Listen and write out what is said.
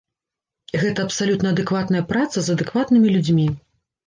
Гэта абсалютна адэкватная праца з адэкватнымі людзьмі.